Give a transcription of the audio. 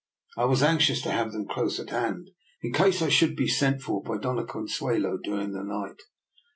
I was anxious to have them close at hand in case I should be sent for by Dofia Consuelo during the night.